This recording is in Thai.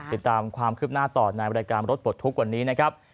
ติดตามความคืบหน้าต่อในบริการรถปลดทุกข์วันนี้นะครับ